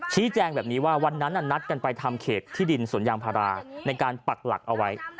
ชี้แจงแบบนี้ว่าวันนั้นนัดกันไปทำเขตที่ดินสวนยางพาราในการปักหลักเอาไว้